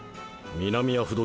南アフド